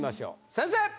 先生！